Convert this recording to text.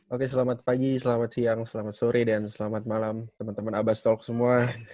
oke selamat pagi selamat siang selamat sore dan selamat malam teman teman abastolk semua